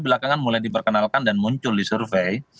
belakangan mulai diperkenalkan dan muncul di survei